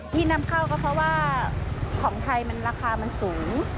ที่นำเข้าก็เพราะว่าของไทยมันราคามันสูง